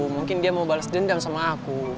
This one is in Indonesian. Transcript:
mungkin dia mau balas dendam sama aku